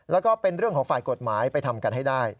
แล้วก็เป็นเรื่องของฝ่ายกฎหมายไปทำกันให้ได้